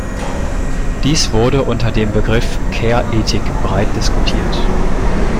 Dies wurde unter dem Begriff Care-Ethik breit diskutiert.